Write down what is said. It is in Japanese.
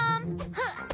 フッ！